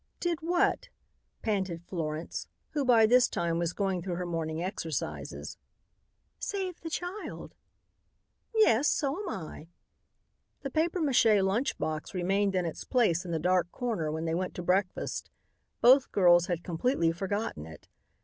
"Did what?" panted Florence, who by this time was going through her morning exercises. "Saved the child." "Yes, so am I." The papier mache lunch box remained in its place in the dark corner when they went to breakfast Both girls had completely forgotten it.